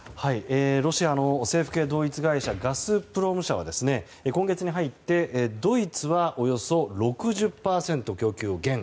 ロシアの政府系ガス会社ガスプロム社は今月に入ってドイツはおよそ６０％供給を減。